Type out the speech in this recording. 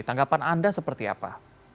tanggapan anda seperti apa